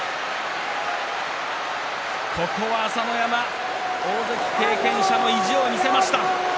ここは朝乃山、大関経験者の意地を見せました。